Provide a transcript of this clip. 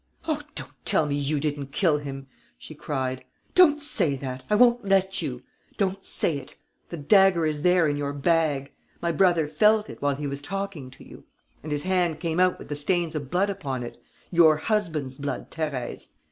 "Oh, don't tell me you didn't kill him!" she cried. "Don't say that: I won't let you. Don't say it. The dagger is there, in your bag. My brother felt it, while he was talking to you; and his hand came out with stains of blood upon it: your husband's blood, Thérèse.